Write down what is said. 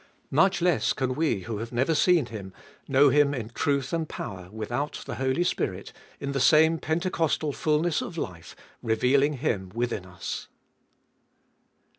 Much less can we, who have never seen Him, know Him in truth and power without the Holy Spirit, in the same Pentecostal fulness of life, revealing Him within us.